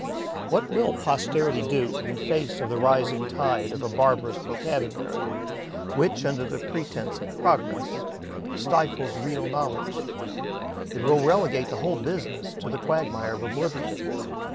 What will posterity do in face of the rising tide of a barbarous vocabulary which, under the pretence of progress, stifles real knowledge? It will relegate the whole business to the quagmire of oblivion.